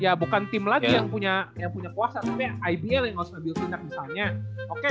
ya bukan tim lagi yang punya puasa tapi ibl yang harus ambil pinjak misalnya oke